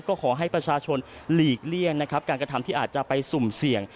ก็ขอให้ประชาชนหลีกเลี่ยงนะครับการกระทำที่อาจจะไปสุ่มเสี่ยง